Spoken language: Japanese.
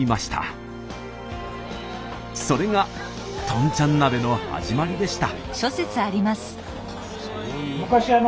それがとんちゃん鍋の始まりでした。